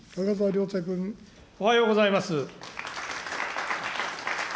おはようございます。